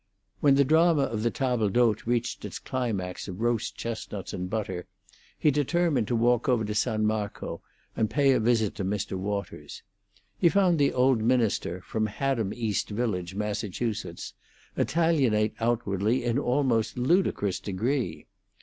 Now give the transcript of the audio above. When the drama of the table d'hôte reached its climax of roast chestnuts and butter, he determined to walk over to San Marco and pay a visit to Mr. Waters. He found the old minister from Haddam East Village, Massachusetts, Italianate outwardly in almost ludicrous degree.